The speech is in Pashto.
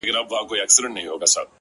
• هر څه چي راپېښ ســولـــــه؛